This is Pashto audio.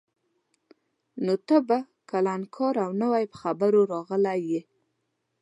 نو ته به کلنکار او نوی پر خبرو راغلی یې.